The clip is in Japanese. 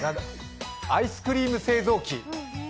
アイスクリーム製造機？